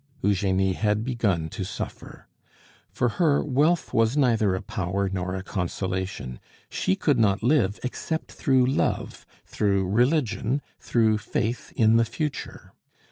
Eugenie had begun to suffer. For her, wealth was neither a power nor a consolation; she could not live except through love, through religion, through faith in the future.